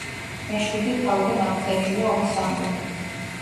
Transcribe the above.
მეშვიდე თავიდან აღწერილია ომის ამბები.